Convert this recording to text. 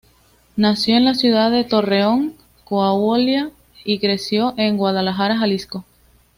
Nació en la ciudad de Torreón, Coahuila y creció en Guadalajara, Jalisco.